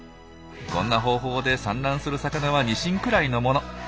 こんな方法で産卵する魚はニシンくらいのもの。